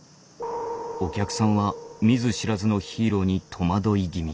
お客さんは見ず知らずのヒーローに戸惑い気味。